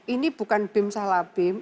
ini bukan bim salah bim